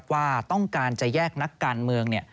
ว่าต้องการจะแยกนักการเมือง